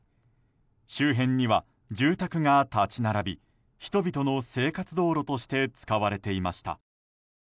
周辺には住宅が立ち並び人々の生活道路として使われていました。